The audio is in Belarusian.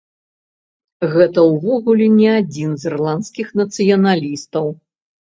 Гэта ўвогуле не адзін з ірландскіх нацыяналістаў.